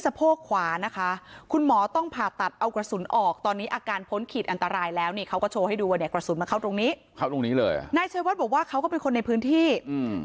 ตรงนี้ครับตรงนี้เลยนายเชื้อวัดบอกว่าเขาก็เป็นคนในพื้นที่อืม